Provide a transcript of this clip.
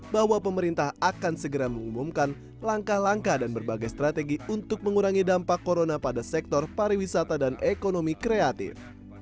bahwa pemerintah akan segera mengumumkan langkah langkah dan berbagai strategi untuk mengurangi dampak corona pada sektor pariwisata dan ekonomi kreatif